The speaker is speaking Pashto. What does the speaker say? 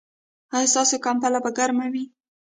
ایا ستاسو کمپله به ګرمه وي؟